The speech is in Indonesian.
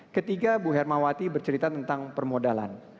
ketiga bu hermawati bercerita tentang permodalan